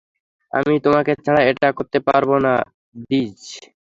আমি তোমাকে ছাড়া এটা করতে পারবো না, ডিজ।